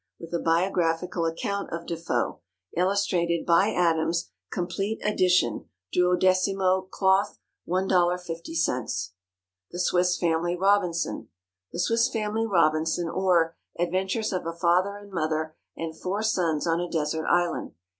With a Biographical Account of Defoe. Illustrated by Adams. Complete Edition. 12mo, Cloth, $1.50 The Swiss Family Robinson. The Swiss Family Robinson; or, Adventures of a Father and Mother and Four Sons on a Desert Island.